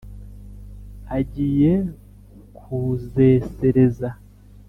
agiye kuzesereza